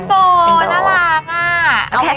โบนน่ารักมาก